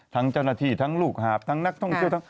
ทั้งเจ้าหน้าที่ทั้งลูกหาบทั้งนักท่องเที่ยวทั้ง